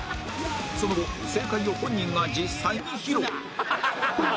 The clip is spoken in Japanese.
その後正解を本人が実際に披露